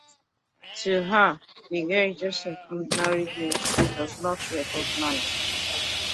To her relief, the girl is just an ordinary girl she does not recognize.